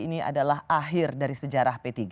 ini adalah akhir dari sejarah p tiga